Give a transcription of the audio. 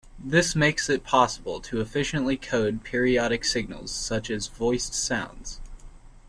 This makes it possible to efficiently code periodic signals, such as voiced sounds.